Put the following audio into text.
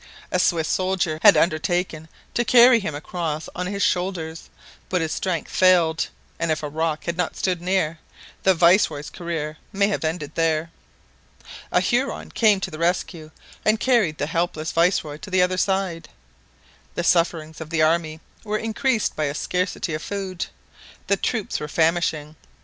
A Swiss soldier had undertaken to carry him across on his shoulders, but his strength failed, and if a rock had not stood near, the viceroy's career might have ended there. A Huron came to the rescue and carried the helpless viceroy to the other side. The sufferings of the army were increased by a scarcity of food. The troops were famishing.